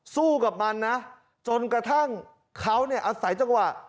สู้กับมันนะจนกระทั่งเขาเนี่ยอาศัยจังหวะ